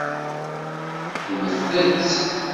Ddmet-tt.